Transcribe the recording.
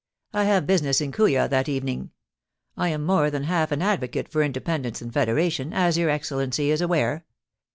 I have business in Kooya that evening. I am more than half an advocate for Indepen dence and Federation, as your Excellency is aware.